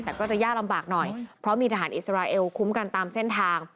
แต่ก็จะยากลำบากหน่อยเพราะมีทหารอิสราเอลคุ้มกันตามเส้นทาง